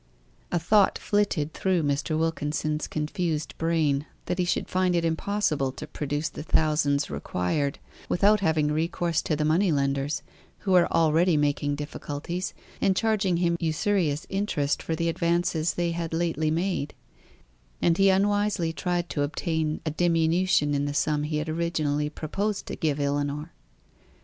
A thought flitted through Mr. Wilkins's confused brain that he should find it impossible to produce the thousands required without having recourse to the money lenders, who were already making difficulties, and charging him usurious interest for the advances they had lately made; and he unwisely tried to obtain a diminution in the sum he had originally proposed to give Ellinor.